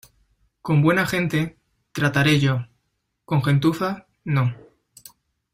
Con buena gente, trataré yo; con gentuza, no.